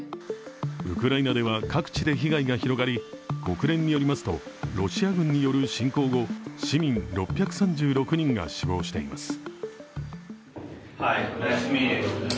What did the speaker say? ウクライナでは各地で被害が広がり、国連によりますとロシア軍による侵攻後、市民６３６人が死亡しています。